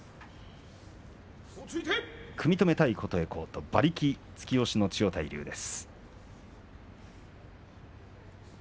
組み止めたい琴恵光と馬力、突き押しの千代大龍です。